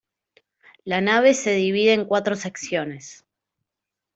La nave se divide en cuatro secciones.